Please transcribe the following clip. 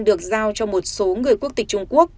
được giao cho một số người quốc tịch trung quốc